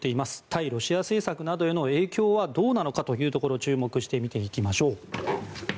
対ロシア政策などへの影響はどうなのかというところ注目して見ていきましょう。